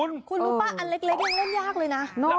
คุณรู้ป่ะอันเล็กยังเล่นยากเลยนะ